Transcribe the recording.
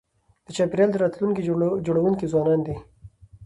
د چاپېریال د راتلونکي جوړونکي ځوانان دي.